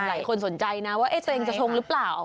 หลายคนสนใจนะว่าตัวเองจะชงหรือเปล่า